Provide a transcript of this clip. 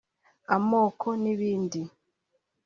amako n’ibindi